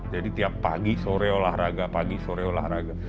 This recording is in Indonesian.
jadi tiap pagi sore olahraga pagi sore olahraga